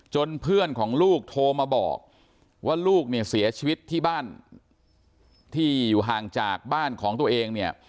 เพื่อนของลูกโทรมาบอกว่าลูกเนี่ยเสียชีวิตที่บ้านที่อยู่ห่างจากบ้านของตัวเองเนี่ย